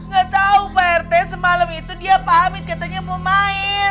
gak tahu prt semalam itu dia pamit katanya mau main